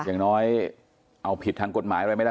อย่างน้อยเอาผิดทางกฎหมายอะไรไม่ได้